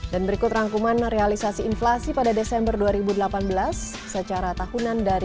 dan berikut rangkuman realisasi inflasi pada desember dua ribu delapan belas secara tahunan dari dua ribu tujuh belas